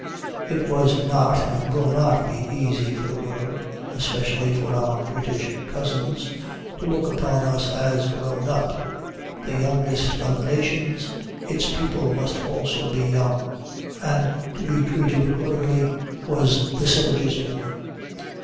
It was not and will not be easy for the world (especially for our British cousins) to look upon us as grown up. The youngest of nations, its people must also be young and to be treated accordingly, was the syllogism.